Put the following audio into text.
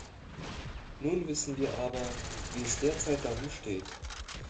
Nun wissen wir aber, wie es derzeit darum steht.